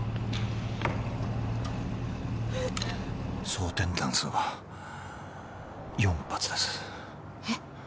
装填弾数は４発ですえっ？